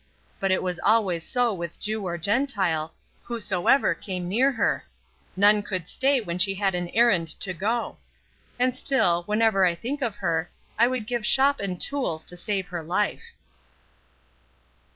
—But it was always so with Jew or Gentile, whosoever came near her—none could stay when she had an errand to go—and still, whenever I think of her, I would give shop and tools to save her life."